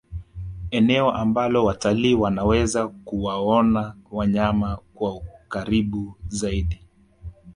eneo ambalo watalii wanaweza kuwaona wanyama kwa ukaribu zaidi